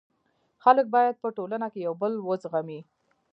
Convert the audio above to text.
خلک باید په ټولنه کي یو بل و زغمي.